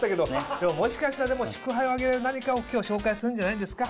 でももしかしたら祝杯を挙げる何かを今日は紹介するんじゃないんですか？